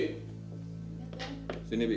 aku sudah selesai